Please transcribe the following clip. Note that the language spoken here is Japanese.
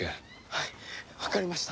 はいわかりました。